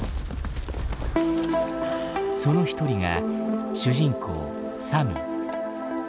その一人が主人公サム。